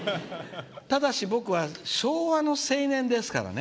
ただし僕は昭和の青年ですからね。